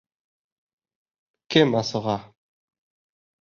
— Кем асыға?